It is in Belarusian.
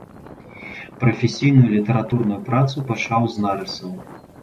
Прафесійную літаратурную працу пачаў з нарысаў.